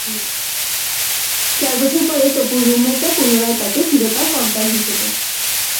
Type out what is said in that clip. চার বছর পরে তপুর রুমমেটরা পুনরায় তাকে ফিরে পায় কঙ্কাল হিসেবে।